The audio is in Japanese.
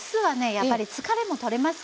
やっぱり疲れも取れますから。